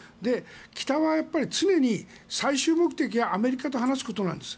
北は常に最終目標はアメリカと話すことなんです。